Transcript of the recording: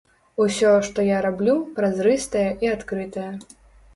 Усё, што я раблю, празрыстае і адкрытае.